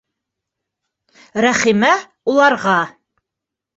Рәхимә уларға: